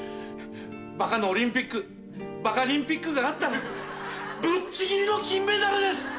バカのオリンピックバカリンピックがあったらぶっちぎりの金メダルです！